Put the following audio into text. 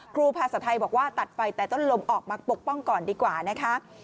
ครูภาษาไทยบอกว่าตัดไฟแต่ต้นลมออกมาปกป้องก่อนดีกว่านะคะ